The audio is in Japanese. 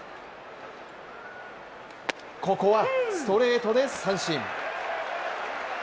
ここはストレートで三振。